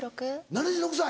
７６歳？